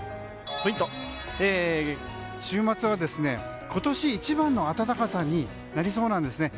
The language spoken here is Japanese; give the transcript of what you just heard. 週末は今年一番の暖かさになりそうなんです。